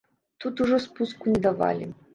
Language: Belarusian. Тут ужо спуску не давалі.